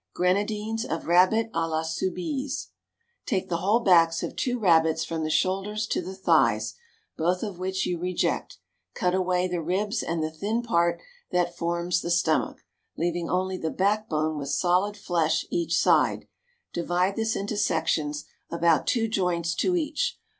Grenadines of Rabbit à la Soubise. Take the whole backs of two rabbits from the shoulders to the thighs, both of which you reject; cut away the ribs and the thin part that forms the stomach, leaving only the backbone with solid flesh each side; divide this into sections, about two joints to each.